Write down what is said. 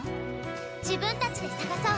自分たちで探そう。